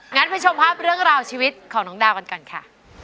งั้นไปชมภาพเรื่องราวชีวิตของน้องดาวกันก่อนค่ะ